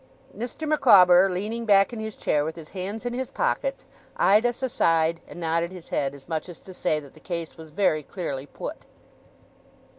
Mr. Micawber, leaning back in his chair with his hands in his pockets, eyed us aside, and nodded his head, as much as to say that the case was very clearly put.